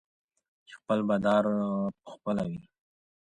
چې خپل بادار پخپله وي.